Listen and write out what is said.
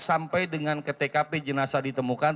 sampai dengan ke tkp jenazah ditemukan